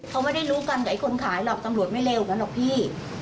เขาไม่ได้รู้กันกับไอ้คนขายหรอกตำรวจไม่เลวงั้นหรอกพี่